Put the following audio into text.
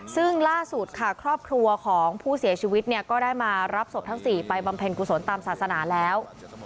ซึ่งล่าสุดค่ะครอบครัวของผู้เสียชีวิตเนี่ยก็ได้มารับศพทั้ง๔ไปบำเพ็ญกุศลตามศาสนาแล้ว